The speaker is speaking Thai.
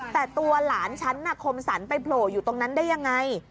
แต่ตัวหลานฉันน่ะคมสรรไปโผล่อยู่ตรงนั้นได้ยังไง